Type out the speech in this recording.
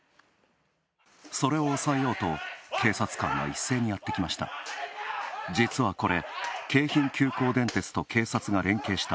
それをおさえようと、警察官が一斉にやってきました。